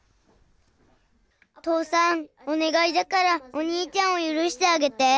父さんおねがいだからお兄ちゃんをゆるしてあげて。